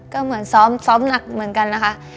ก็เหมือนซ้อมซ้อมหนักเหมือนกันนะคะ